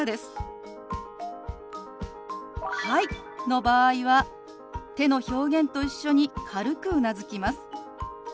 「はい」の場合は手の表現と一緒に軽くうなずきます。